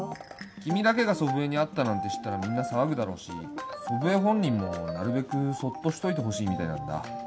君だけが祖父江に会ったなんて知ったらみんな騒ぐだろうし祖父江本人もなるべくそっとしておいてほしいみたいなんだ